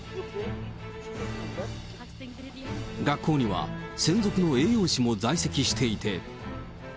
学校には専属の栄養士も在籍していて。